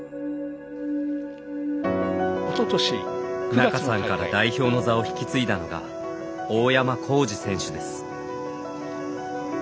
仲さんから代表の座を引き継いだのが大山晃司選手です。